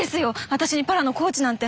私にパラのコーチなんて。